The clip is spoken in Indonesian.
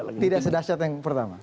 tidak sedasyat yang pertama